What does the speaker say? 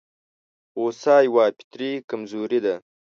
غوسه يوه فطري کمزوري ده.